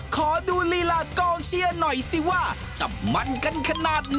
ขอดูลีลากองเชียร์หน่อยสิว่าจะมั่นกันขนาดไหน